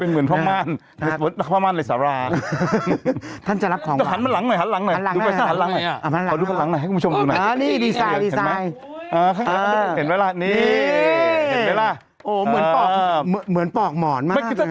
เอาดูข้างหลังหน่อยเหมือนปอกหมอนมาก